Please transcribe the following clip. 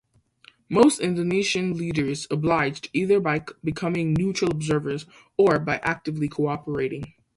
Most Indonesian leaders obliged either by becoming 'neutral observers' or by actively cooperating.